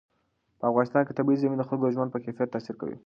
په افغانستان کې طبیعي زیرمې د خلکو د ژوند په کیفیت تاثیر کوي.